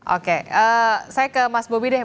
oke saya ke mas bobi deh